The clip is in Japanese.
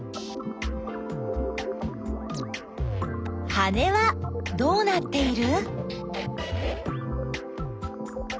羽はどうなっている？